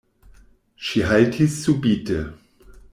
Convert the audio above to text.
Ŝi haltis subite.